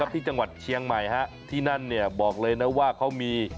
ที่จังหวัดเชียงใหม่ที่นั่นบอกเลยนะว่าเขามี